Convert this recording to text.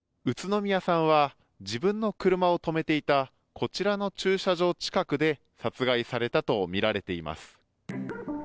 宇都宮さんは自分の車を止めていたこちらの駐車場近くで殺害されたとみられています。